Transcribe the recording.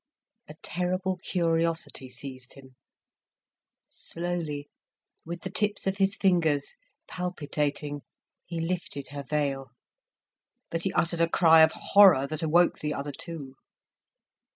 A terrible curiosity seized him. Slowly, with the tips of his fingers, palpitating, he lifted her veil. But he uttered a cry of horror that awoke the other two.